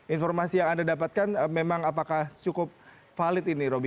informasi yang anda dapatkan memang apakah cukup valid ini roby